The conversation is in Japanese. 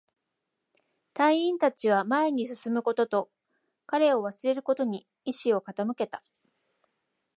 隊員達は前に進むことと、彼を忘れることに意志を傾けた